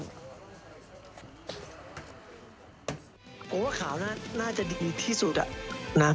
ผมว่าข่าวน่าจะดีที่สุดอะนะ